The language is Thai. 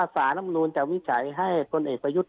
สารำนูนจะวิจัยให้พลเอกประยุทธ์